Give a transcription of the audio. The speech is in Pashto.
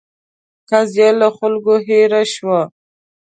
قضیه له خلکو هېره شوه.